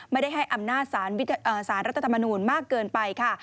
ไม่ได้ให้อำนาจสารรัฐธรรมนูลมากเกินไปค่ะ